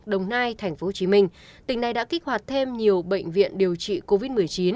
đồng nai tp hcm tỉnh này đã kích hoạt thêm nhiều bệnh viện điều trị covid một mươi chín